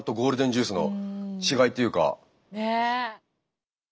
ねえ！